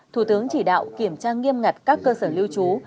thủ tướng chỉ đạo kiểm tra nghiêm ngặt các cơ sở lưu trú